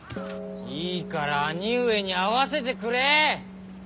いいから兄上に会わせてくれ。